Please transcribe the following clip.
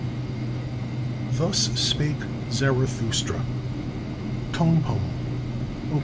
"THUS SPAKE ZARATHUSTRA," TONE POEM: Op.